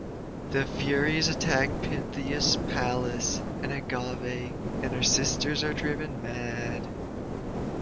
The Furies attack Pentheus' palace and Agave and her sisters are driven mad.